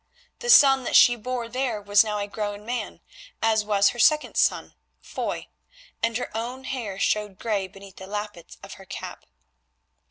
The son that she bore there was now a grown man, as was her second son, Foy, and her own hair showed grey beneath the lappets of her cap.